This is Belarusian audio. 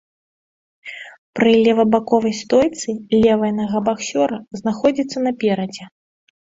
Пры левабаковай стойцы левая нага баксёра знаходзіцца наперадзе.